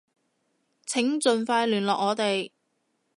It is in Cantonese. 請盡快聯絡我哋